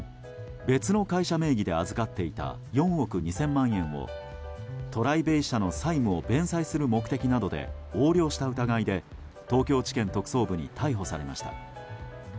別の会社名義で預かっていた４億２０００万円をＴＲＩＢＡＹ社の債務を弁済する目的などで横領した疑いで東京地検特捜部に逮捕されました。